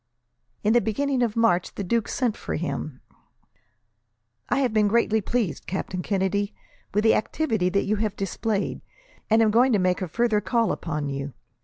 In the beginning of March, the duke sent for him. "I have been greatly pleased, Captain Kennedy, with the activity that you have displayed, and am going to make a further call upon you.